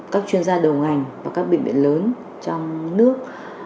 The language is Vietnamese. các chuyên gia đầu ngành và các bệnh viện lớn trong nước